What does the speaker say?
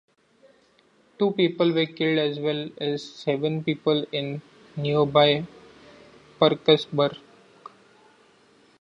Two people were killed as well as seven people in nearby Parkersburg.